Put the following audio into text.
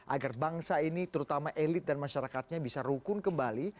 agar bangsa ini terutama elit dan masyarakatnya bisa rukun kembali